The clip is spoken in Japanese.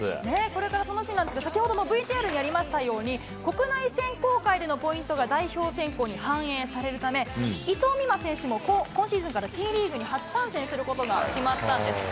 これから、先ほどもＶＴＲにありましたように、国内選考会でのポイントが、代表選考に反映されるため、伊藤美誠選手も今シーズンからＴリーグに初参戦することが決まったんです。